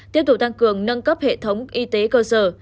tiếp tục tăng cường nâng cấp hệ thống y tế cơ sở